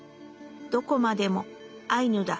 何処までもアイヌだ。